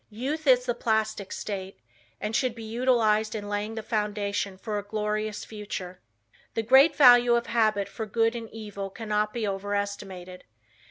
Youth is the plastic state, and should be utilized in laying the foundation for a glorious future. The great value of habit for good and evil cannot be overestimated.